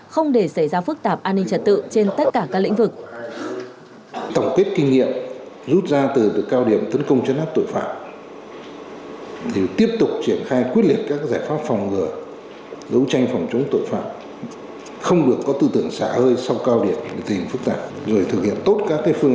không để xảy ra phức tạp an ninh trật tự trên tất cả các lĩnh vực